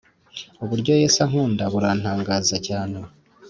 Uburyo yesu ankunda burantangaza cyane